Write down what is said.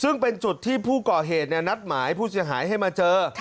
ซึ่งเป็นจุดที่ผู้ก่อเหตุนัดหมายผู้เสียหายให้มาเจอ